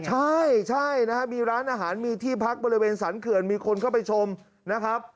ใช่ใช่นะฮะมีร้านอาหารมีที่พักบริเวณสรรเขื่อนมีคนเข้าไปชมนะครับ